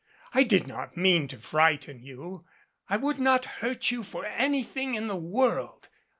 I did not mean to frighten you. I would not hurt you for anything in the world.